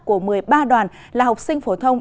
của một mươi ba đoàn là học sinh phổ thông